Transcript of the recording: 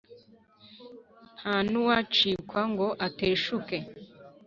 nta n’uwacikwa ngo ateshuke